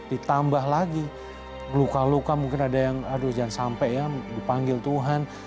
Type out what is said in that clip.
ditambah lagi luka luka mungkin ada yang aduh jangan sampai ya dipanggil tuhan